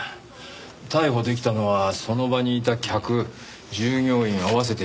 逮捕できたのはその場にいた客従業員合わせて十数名のみ。